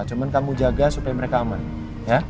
cuma kamu jaga supaya mereka aman ya